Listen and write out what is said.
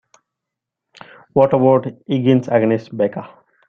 What about Higgins against Becca?